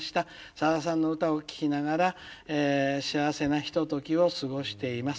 さださんの歌を聴きながら幸せなひとときを過ごしています。